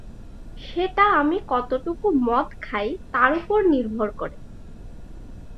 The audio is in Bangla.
সেটা আমি কতটুকু মদ খাই তার উপর নির্ভর করে।